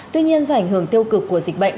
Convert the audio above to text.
tuy nhiên dạy hưởng tiêu cực của dịch bệnh